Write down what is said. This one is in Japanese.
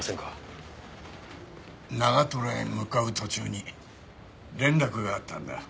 長へ向かう途中に連絡があったんだ。